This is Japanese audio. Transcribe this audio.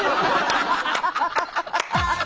ハハハハ！